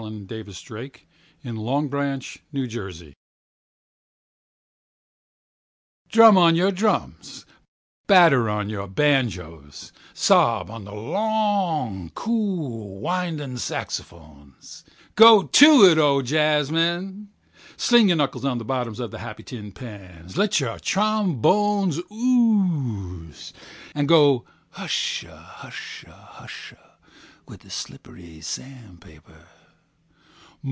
III. Broken Face Gargoyles 6. Jazz Fantasia DRUM on your drums, batter on your banjoes, sob on the long cool winding saxophones. Go to it, O jazzmen. Sling your knuckles on the bottoms of the happy tin pans, let your trombones ooze, and go hushahusha hush with the slippery sand paper.